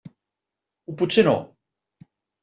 O potser no?